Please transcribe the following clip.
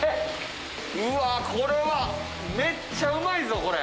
うわこれはめっちゃうまいぞこれ。